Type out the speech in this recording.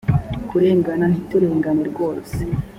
kurengana ntiturengana rwose